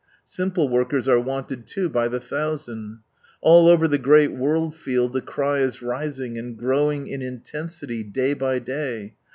Simple workers are wanted, too, by the thousand. AH over the great world field the cry is rising, and growing in intensity day by day.